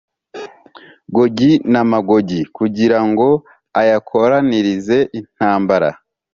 Gogi na Magogi kugira ngo ayakoranirize intambara,